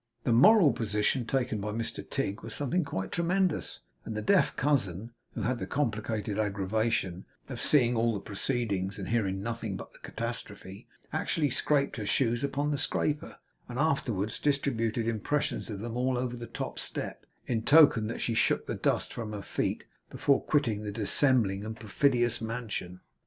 The moral position taken by Mr Tigg was something quite tremendous; and the deaf cousin, who had the complicated aggravation of seeing all the proceedings and hearing nothing but the catastrophe, actually scraped her shoes upon the scraper, and afterwards distributed impressions of them all over the top step, in token that she shook the dust from her feet before quitting that dissembling and perfidious mansion.